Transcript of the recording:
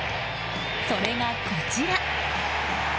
それが、こちら。